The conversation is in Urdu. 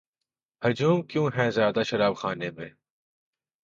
ہجوم کیوں ہے زیادہ شراب خانے میں